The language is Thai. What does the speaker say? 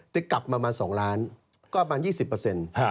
แต่กลับมามา๒ล้านก็ประมาณ๒๐เปอร์เซ็นต์